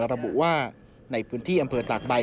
ระบุว่าในพื้นที่อำเภอตากใบ